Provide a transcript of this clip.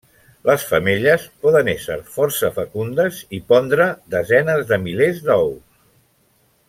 Les femelles poden ésser força fecundes i pondre desenes de milers d'ous.